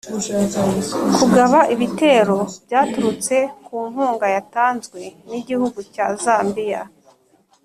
kugaba ibitero, byaturutse ku nkunga yatanzwe n’igihugu cya Zambia.